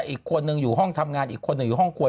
อีกคนนึงอยู่ห้องทำงานอีกคนหนึ่งอยู่ห้องครัว